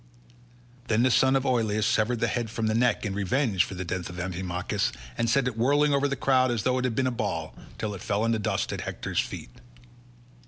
Then the son of Oileus severed the head from the neck in revenge for the death of Amphimachus, and sent it whirling over the crowd as though it had been a ball, till it fell in the dust at Hector's feet.